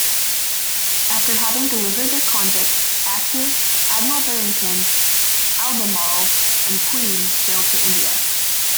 After having delivered their convicts, "Active", "Admiral Barrington", "Albemarle", and "Queen" sailed for India.